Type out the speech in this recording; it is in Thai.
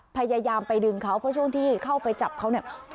พยายามไปดึงเขาเพราะช่วงที่เข้าไปจับเขาเนี่ย